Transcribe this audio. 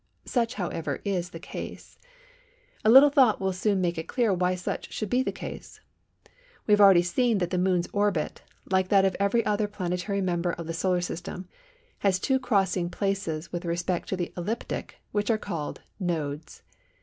Such, however, is the case. A little thought will soon make it clear why such should be the case. We have already seen that the Moon's orbit, like that of every other planetary member of the Solar System, has two crossing places with respect to the ecliptic which are called "Nodes."